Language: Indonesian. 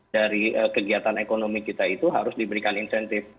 dari kegiatan ekonomi kita itu harus diberikan insentif